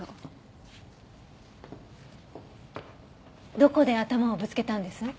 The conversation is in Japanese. どこで頭をぶつけたんです？